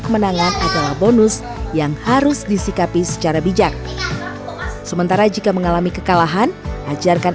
kemenangan adalah bonus yang harus disikapi secara bijak sementara jika mengalami kekalahan ajarkan